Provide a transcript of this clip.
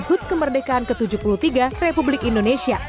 hut kemerdekaan ke tujuh puluh tiga republik indonesia